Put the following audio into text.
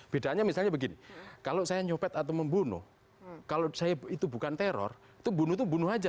bedanya misalnya begini kalau saya nyopet atau membunuh kalau saya itu bukan teror itu bunuh itu bunuh aja